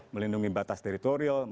melindungi batas teritorial